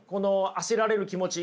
焦られる気持ち